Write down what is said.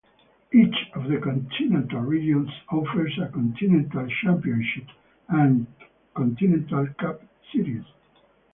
Each of the continental regions offers a Continental Championship and Continental Cup Series.